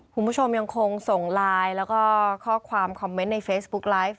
คุณผู้ชมยังคงส่งไลน์แล้วก็ข้อความคอมเมนต์ในเฟซบุ๊กไลฟ์